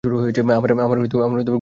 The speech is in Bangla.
আমার গুরপ্রিট খুব সুন্দর।